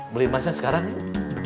beli emasnya sekarang yuk